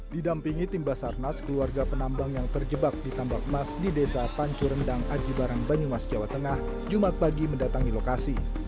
didampingi tim basarnas keluarga penambang yang terjebak di tambak emas di desa pancu rendang aji barang banyumas jawa tengah jumat pagi mendatangi lokasi